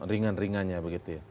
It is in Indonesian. ringan ringannya begitu ya